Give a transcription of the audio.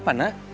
kamu kenapa nak